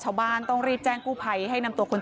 ช่องบ้านต้องช่วยแจ้งเจ้าหน้าที่เพราะว่าโดนฟันแผลเวิกวะค่ะ